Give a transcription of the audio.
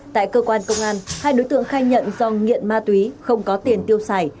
tại cơ quan công an hai đối tượng khai nhận do nghiện ma túy không có tiền tiêu xài